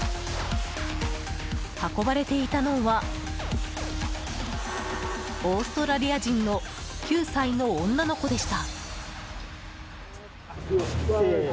運ばれていたのはオーストラリア人の９歳の女の子でした。